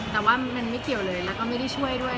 แต่ว่าไม่เกี่ยวเลยไม่ได้ช่วยด้วย